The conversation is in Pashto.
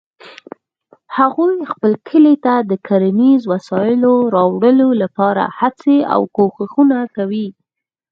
هغوی خپل کلي ته د کرنیزو وسایلو راوړلو لپاره هڅې او کوښښونه کوي